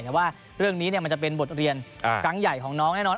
แต่ว่าเรื่องนี้มันจะเป็นบทเรียนครั้งใหญ่ของน้องแน่นอน